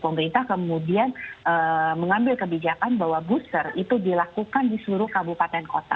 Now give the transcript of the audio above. pemerintah kemudian mengambil kebijakan bahwa booster itu dilakukan di seluruh kabupaten kota